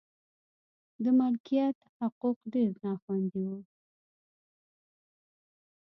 د مالکیت حقوق ډېر نا خوندي و.